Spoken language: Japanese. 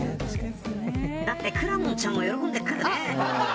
だってくらもんちゃんも喜んでるからね。